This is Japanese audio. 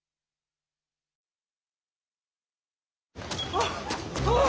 あっ！